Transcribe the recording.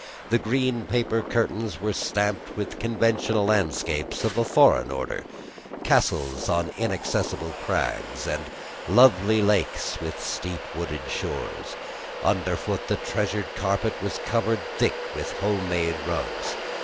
The green paper curtains were stamped with conventional landscapes of a foreign order, castles on inaccessible crags, and lovely lakes with steep wooded shores; under foot the treasured carpet was covered thick with home made rugs.